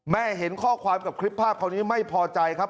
แม่เห็นข้อความกับคลิปภาพกลงที่ไม่พอใจครับ